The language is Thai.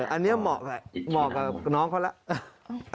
อันนี้เหมาะเหมาะกับน้องเขาแล้ว